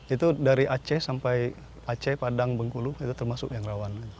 itu dari aceh sampai aceh padang bengkulu itu termasuk yang rawan